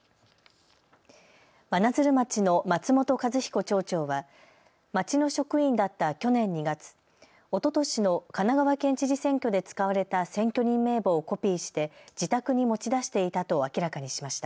真鶴町の松本一彦町長は町の職員だった去年２月、おととしの神奈川県知事選挙で使われた選挙人名簿をコピーして自宅に持ち出していたと明らかにしました。